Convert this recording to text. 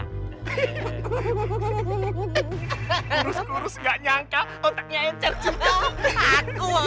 kurus kurus nggak nyangka otaknya encer juga